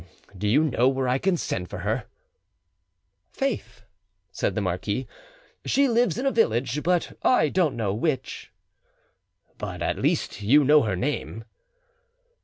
Do you know where I can send for her?" "Faith," said the marquis, "she lives in a village, but I don't know which." "But at least you know her name?"